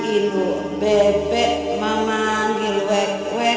ibu bebek memanggil wek wek